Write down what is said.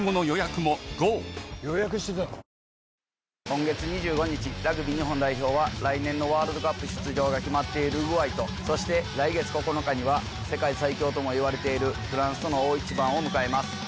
今月２５日ラグビー日本代表は来年のワールドカップ出場が決まっているウルグアイとそして来月９日には世界最強ともいわれているフランスとの大一番を迎えます。